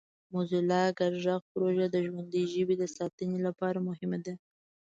موزیلا ګډ غږ پروژه د ژوندۍ ژبې د ساتنې لپاره مهمه ده.